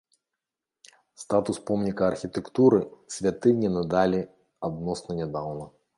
Статус помніка архітэктуры святыні надалі адносна нядаўна.